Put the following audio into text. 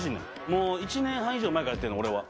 もう１年半以上前からやってるの俺は。